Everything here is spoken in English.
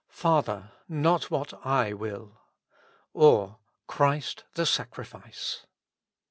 Father ! not what I will ;»' or, Christ the Sac rifice.